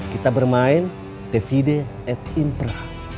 kita bermain dvd at impra